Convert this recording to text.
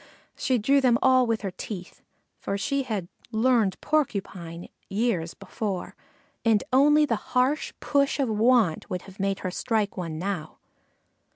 She drew them all with her teeth, for she had "learned Porcupine" years before, and only the hard push of want would have made her strike one now.